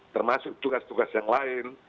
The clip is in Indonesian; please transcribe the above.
termasuk tugas tugas yang lain